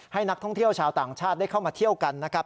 ให้นักท่องเที่ยวชาวต่างชาติได้เข้ามาเที่ยวกันนะครับ